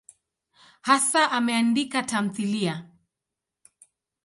Hasa ameandika tamthiliya.